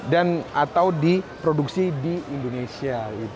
dan atau diproduksi di indonesia gitu